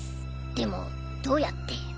でもどうやって。